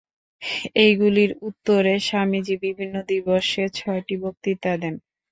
এইগুলির উত্তরে স্বামীজী বিভিন্ন দিবসে ছয়টি বক্তৃতা দেন।